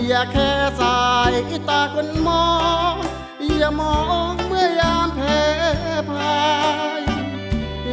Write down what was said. อย่าแค่สายตาคนมองอย่ามองเมื่อยามแพ้ภาย